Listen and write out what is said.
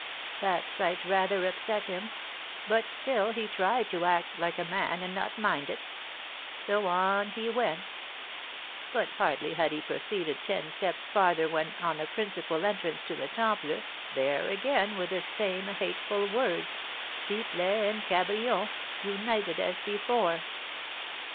That sight rather upset him; but still he tried to act like a man and not mind it. So on he went. But hardly had he proceeded ten steps farther when, on the principal entrance to the Temple, there again were the same hateful words, 'Pipelet and Cabrion,' united as before!